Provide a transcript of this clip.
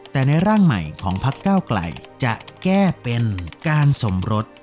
แต่ในร่างใหม่ของพักเก้าไกลจะแก้เป็นการสมรส